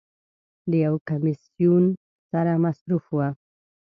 د یو کمیسون سره مصروف و.